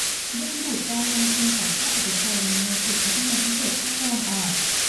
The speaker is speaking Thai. ดึงดูดการลงทุนของภาคเอกชน ในเขตพัฒนาพิเศษภาคตะวันออก